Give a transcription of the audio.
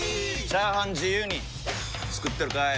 チャーハン自由に作ってるかい！？